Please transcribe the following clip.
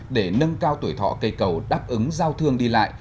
để nâng cao tuổi thọ cây cầu đáp ứng giao thương đi lại